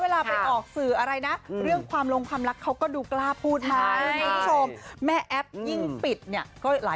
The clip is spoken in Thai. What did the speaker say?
เวลาไปออกสื่อเรื่องความร่วงคำรักเค้าก็ดูกล้าพูดมา